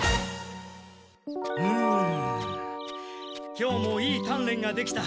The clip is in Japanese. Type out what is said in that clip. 今日もいいたんれんができた。